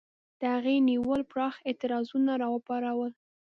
د هغې نیولو پراخ اعتراضونه را وپارول.